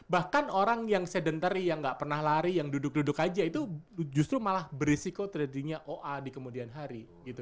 bahkan orang yang sedentary yang gak pernah lari yang duduk duduk aja itu justru malah berisiko terjadinya oa di kemudian hari